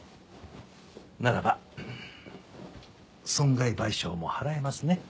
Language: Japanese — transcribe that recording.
ならば損害賠償も払えますね。